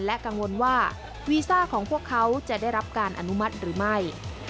กังวลว่าวีซ่าของพวกเขาจะได้รับการอนุมัติหรือไม่